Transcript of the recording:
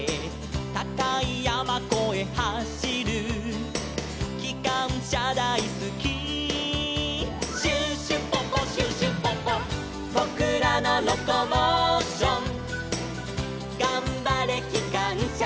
「たかいやまこえはしる」「きかんしゃだいすき」「シュシュポポシュシュポポ」「ぼくらのロコモーション」「がんばれきかんしゃシュシュポポ」